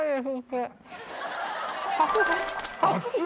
熱い？